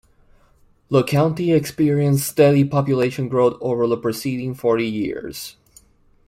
The county experienced steady population growth over the preceding forty years.